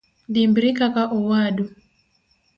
Dimbri kaka owadu.